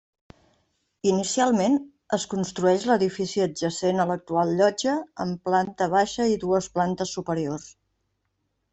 Inicialment, es construeix l'edifici adjacent a l'actual llotja amb planta baixa i dues plantes superiors.